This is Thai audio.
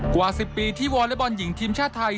กว่า๑๐ปีที่วอเล็กบอลหญิงทีมชาติไทย